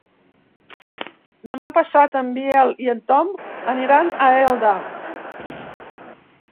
Demà passat en Biel i en Tom aniran a Elda.